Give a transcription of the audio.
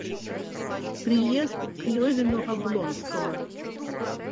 Приезд к Левину Облонского.